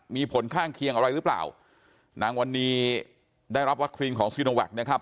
มีผลข้างเคียงอะไรหรือเปล่านางวันนี้ได้รับวัคซีนของซีโนแวคนะครับ